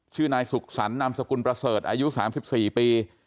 ชื่อนายสุขสรรคนามสกุลประเสริฐอายุ๓๔ปี